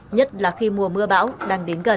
nhất là khi mùa mưa bão đang đến gần